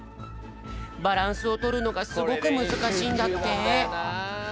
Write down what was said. バランスをとるのがすごくむずかしいんだって。